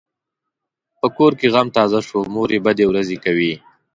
په کور کې غم تازه شو؛ مور یې بدې ورځې کوي.